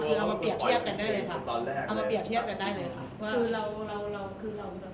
คือเราจะทั้งครั้วอ่ะปล่อยคลิปที่